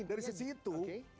dari sisi itu